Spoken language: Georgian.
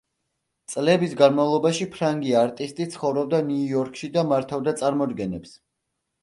წლების განმავლობაში ფრანგი არტისტი ცხოვრობდა ნიუ-იორკში და მართავდა წარმოდგენებს.